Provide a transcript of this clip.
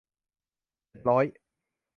เจ็ดร้อย